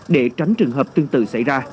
để tránh trường hợp tương tự xảy ra